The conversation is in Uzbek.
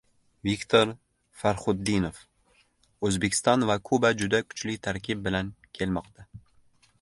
Viktor Farxutdinov: "O‘zbekiston va Kuba juda kuchli tarkib bilan kelmoqda"